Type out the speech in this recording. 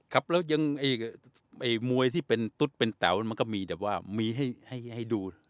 ครับแล้วยังไอ้ไอ้มวยที่เป็นตุ๊ดเป็นแสวมันก็มีแบบว่ามีให้ให้ให้ดู